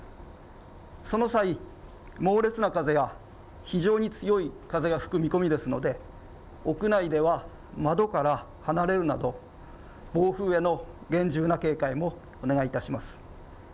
その際、猛烈な風や非常に強い風が吹く見込みですので、屋内では窓から離れるなど、暴風への厳重な警戒もお願いいたします。